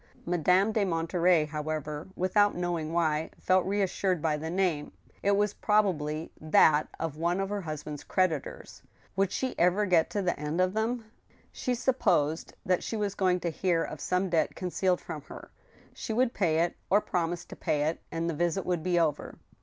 Madame de Monterey, however, >yithout knowing why, felt reas sured by the name. It was probably that of one of her husband's creditors. Would she ever get to the end of them ? She supposed that she was going to hear of some debt concealed from her. She would pay it, or promise to pay it, and the visit would be over.